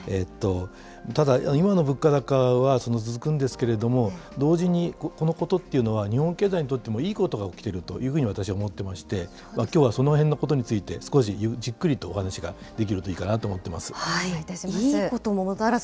ただ、今の物価高は続くんですけれども、同時にこのことっていうのは、日本経済にとってもいいことが起きてるというふうに私は思っていまして、きょうはそのへんのことについて、少しじっくりとお話がお願いいたします。